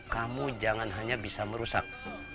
kamu jangan hanya bisa merusak